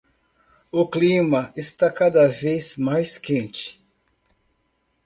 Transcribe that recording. O clima está cada vez mais quente!